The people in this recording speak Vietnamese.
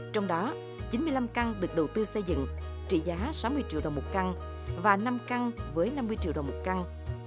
trong đó chín mươi năm căn được đầu tư xây dựng trị giá sáu mươi triệu đồng một căn và năm căn với năm mươi triệu đồng một căn